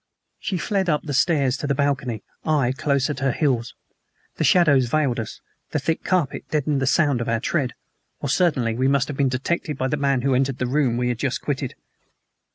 She fled up the stairs to the balcony, I close at her heels. The shadows veiled us, the thick carpet deadened the sound of our tread, or certainly we must have been detected by the man who entered the room we had just quitted.